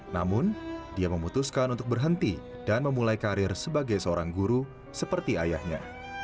namun dia memutuskan untuk berhenti dan memulai karir sebagai seorang guru seperti ayahnya